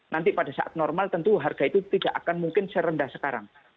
nanti pada saat normal tentu harga itu tidak akan mungkin serendah sekarang